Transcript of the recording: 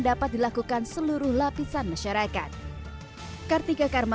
dapat dilakukan seluruh lapisan masyarakat